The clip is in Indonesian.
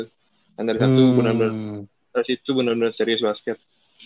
kan dari satu kelas itu bener bener serious basket